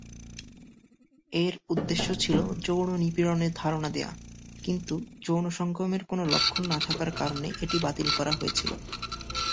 এর উদ্দেশ্য ছিল যৌন নিপীড়নের ধারণা দেওয়া, কিন্তু যৌন সঙ্গমের কোন লক্ষণ না থাকার কারণে, এটি বাতিল করা হয়েছিল।